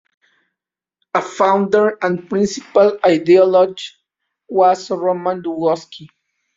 A founder and principal ideologue was Roman Dmowski.